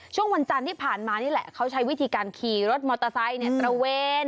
ช่วงวันจันทร์ที่ผ่านมานี่แหละเขาใช้วิธีการขี่รถมอเตอร์ไซค์เนี่ยตระเวน